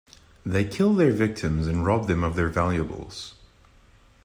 They kill their victims and rob them of their valuables.